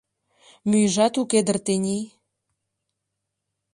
Мӱйжат уке дыр тений.